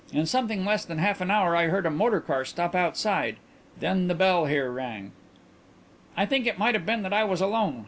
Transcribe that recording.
In something less than half an hour I heard a motor car stop outside. Then the bell here rang. "I think I have said that I was alone.